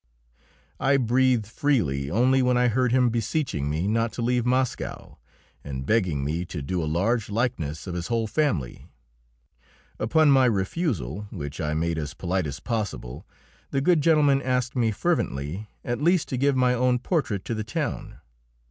I breathed freely only when I heard him beseeching me not to leave Moscow, and begging me to do a large likeness of his whole family. Upon my refusal, which I made as polite as possible, the good gentleman asked me fervently at least to give my own portrait to the town.